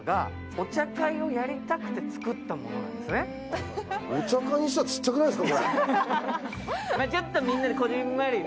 お茶会にしてはちっちゃくないですか？